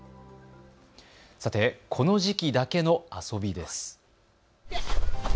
さて、この時期だけの遊びです。